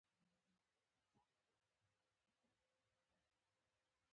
• لور د نیکمرغۍ پیغام راوړونکې ده.